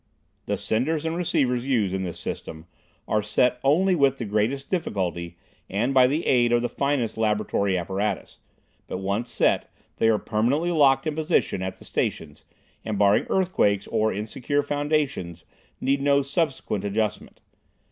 The senders and receivers used in this system are set only with the greatest difficulty, and by the aid of the finest laboratory apparatus, but once set, they are permanently locked in position at the stations, and barring earthquakes or insecure foundations, need no subsequent adjustment.